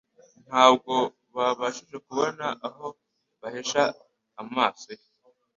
Ntabwo babashije kubona aho bihisha amaso ye.